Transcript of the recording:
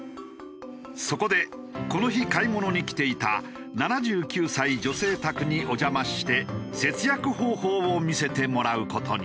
そこでこの日買い物に来ていた７９歳女性宅にお邪魔して節約方法を見せてもらう事に。